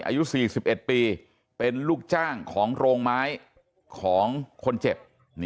อายุ๔๑ปีเป็นลูกจ้างของโรงไม้ของคนเจ็บ